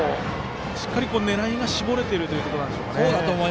しっかり狙いが絞れているというところなんでしょうかね。